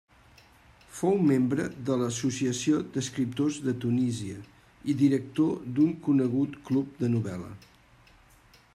Fou membre de l'Associació d'Escriptors de Tunísia i director d'un conegut club de novel·la.